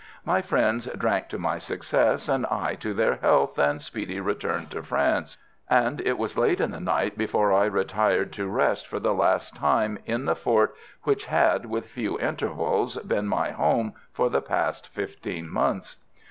My friends drank to my success, and I to their health and speedy return to France; and it was late in the night before I retired to rest for the last time in the fort which had, with few intervals, been my home for the past fifteen months.